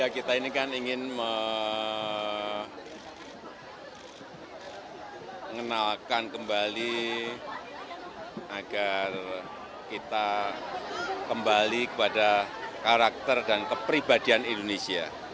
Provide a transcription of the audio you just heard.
kita ini kan ingin mengenalkan kembali agar kita kembali kepada karakter dan kepribadian indonesia